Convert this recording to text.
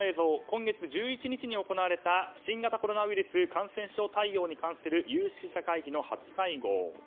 今月１１日に行われた新型コロナウイルス感染症対応に関する有識者会議の初会合。